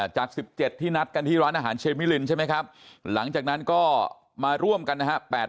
จาก๑๗ที่นัดกันที่ร้านอาหารเชมิลินใช่ไหมครับหลังจากนั้นก็มาร่วมกันนะฮะ